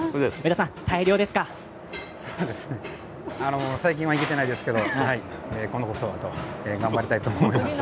そうですね最近は行けてないですけど今度こそ頑張りたいと思います。